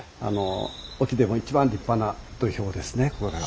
隠岐でも一番立派な土俵ですねこれが。